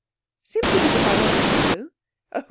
'Simply because I want to know.' 'Oh!